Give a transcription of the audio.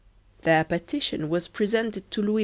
Their petition was presented to Louis XV.